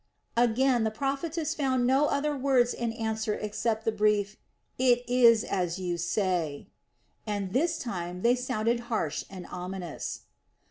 Again the prophetess found no other words in answer except the brief: "It is as you say," and this time they sounded harsh and ominous.